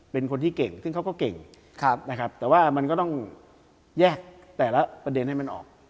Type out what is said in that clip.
เป็นคนที่เก่งซึ่งเขาก็เก่งนะครับแต่ว่ามันก็ต้องแยกแต่ละประเด็นให้มันออก